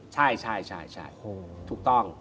ใช่ถูกต้อง